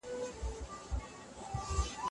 خلګ چي هڅه وکړي بريا مومي.